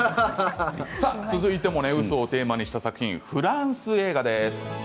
続いても、うそをテーマにした作品、フランス映画です。